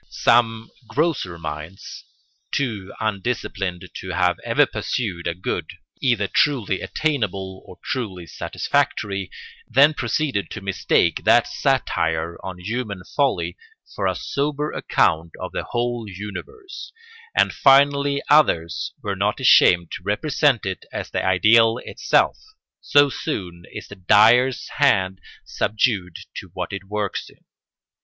Some grosser minds, too undisciplined to have ever pursued a good either truly attainable or truly satisfactory, then proceeded to mistake that satire on human folly for a sober account of the whole universe; and finally others were not ashamed to represent it as the ideal itself—so soon is the dyer's hand subdued to what it works in.